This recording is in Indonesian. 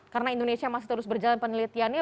karena indonesia masih terus berjalan penelitiannya